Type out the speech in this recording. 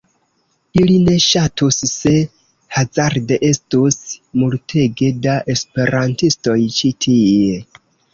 Ili ne ŝatus se hazarde estus multege da esperantistoj ĉi tie.